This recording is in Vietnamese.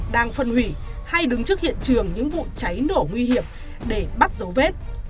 đang phân hủy hay đứng trước hiện trường những vụ cháy nổ nguy hiểm để bắt dấu vết